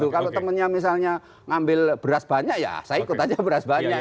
kalau temennya misalnya ngambil beras banyak ya saya ikut aja beras banyak